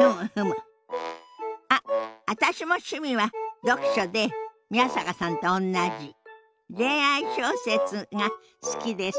あっ私も趣味は読書で宮坂さんとおんなじ恋愛小説が好きです。